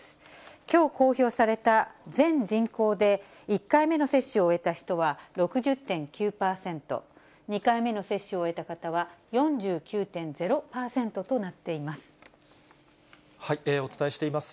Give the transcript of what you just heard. きょう公表された、全人口で１回目の接種を終えた人は６０．９％、２回目の接種を終えた方は４９．０％となっています。